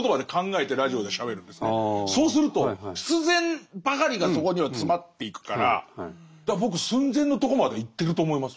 そうすると必然ばかりがそこには詰まっていくからだから僕寸前のとこまではいってると思います。